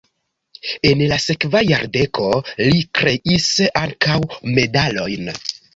En la sekva jardeko li kreis ankaŭ medalojn.